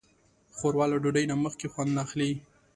ښوروا له ډوډۍ نه مخکې خوند اخلي.